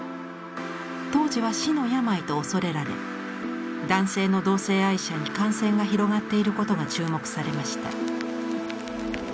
当時は「死の病」と恐れられ男性の同性愛者に感染が広がっていることが注目されました。